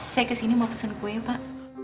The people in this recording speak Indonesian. saya kesini mau pesen kue pak